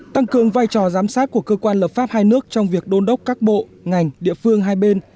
tăng cường vai trò giám sát của cơ quan lập pháp hai nước trong việc đôn đốc các bộ ngành địa phương hai bên